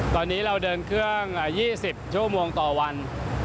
ตอนนี้เราเดินเครื่อง๒๐ชั่วโมงต่อวัน